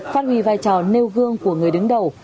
phát huy vai trò nêu gương của người đứng đầu